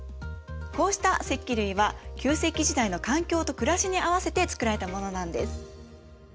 こうした石器類は旧石器時代の環境と暮らしに合わせて作られたものなんです。